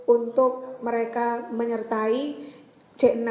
untuk mereka menyertai c enam